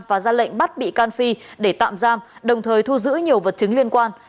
và ra lệnh bắt bị can phi để tạm giam đồng thời thu giữ nhiều vật chứng liên quan